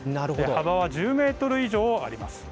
幅は１０メートル以上あります。